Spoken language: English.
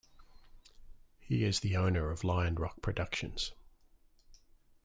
He is the owner of Lion Rock Productions.